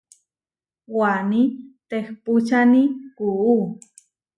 Waní tehpúčani kuú.